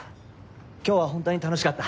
今日は本当に楽しかった。